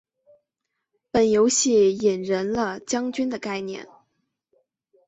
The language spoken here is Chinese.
本游戏引人了将军的概念。